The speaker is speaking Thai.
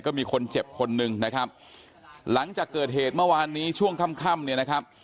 มีคนเจ็บคนหนึ่งนะครับหลังจากเกิดเหตุเมื่อวานนี้ช่วงค่ำค่ำเนี่ยนะครับ